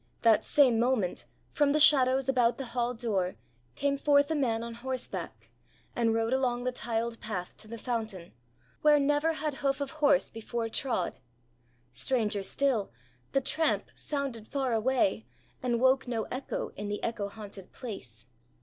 That same moment, from the shadows about the hall door, came forth a man on horseback, and rode along the tiled path to the fountain, where never had hoof of horse before trod. Stranger still, the tramp sounded far away, and woke no echo in the echo haunted place.